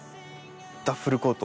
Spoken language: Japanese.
ダッフルコート。